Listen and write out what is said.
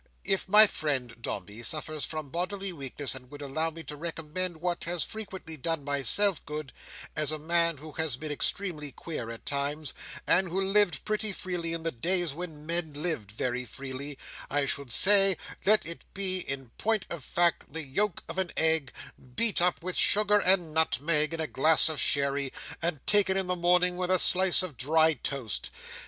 If my friend Dombey suffers from bodily weakness, and would allow me to recommend what has frequently done myself good, as a man who has been extremely queer at times, and who lived pretty freely in the days when men lived very freely, I should say, let it be in point of fact the yolk of an egg, beat up with sugar and nutmeg, in a glass of sherry, and taken in the morning with a slice of dry toast.